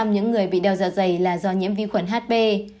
bốn mươi những người bị đeo dạ dày là do nhiễm vi khuẩn hp